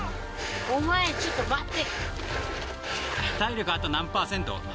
お前ちょっと待て。